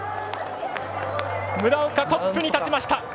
村岡、トップに立ちました。